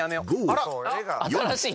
新しい！